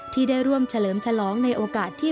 ที่ได้ร่วมเฉลิมฉลองในโอกาสที่